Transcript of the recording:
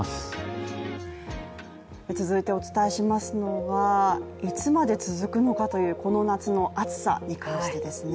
続いてお伝えしますのは、いつまで続くのかというこの夏の暑さに関してですね。